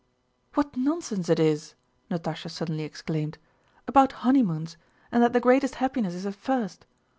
"What nonsense it is," Natásha suddenly exclaimed, "about honeymoons, and that the greatest happiness is at first!